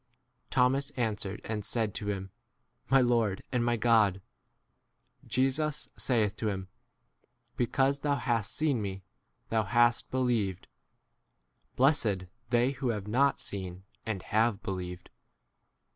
r Thomas answered and said to him, My Lord and my God. 29 Jesus saith to him, Because thou hast seen me s thou hast believed : blessed they who have not seen and have believed.